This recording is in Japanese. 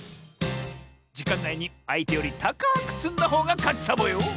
じかんないにあいてよりたかくつんだほうがかちサボよ！